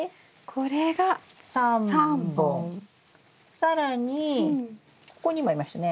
更にここにもありましたね。